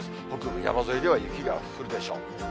北部山沿いでは雪が降るでしょう。